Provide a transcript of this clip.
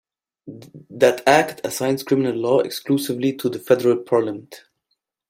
That Act assigns criminal law exclusively to the federal Parliament.